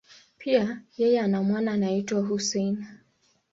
Pia, yeye ana mwana anayeitwa Hussein.